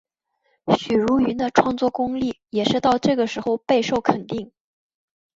许茹芸的创作功力也是到这个时候备受肯定。